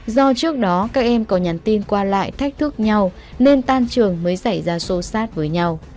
do trước đó các em có nhắn tin qua lại thách thức nhau nên tan trường mới xảy ra sô sát với nhau